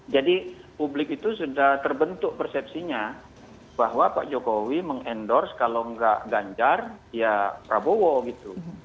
jadi publik itu sudah terbentuk persepsinya bahwa pak jokowi meng endorse kalau enggak ganjar ya prabowo gitu